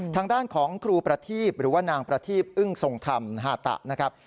ทางด้านของครูประทีบหรือว่านางประทีพอึ้งทรงธรรมฮาตะนะครับ